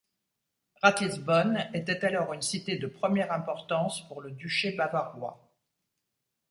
Ratisbonne était alors une cité de première importance pour le duché bavarois.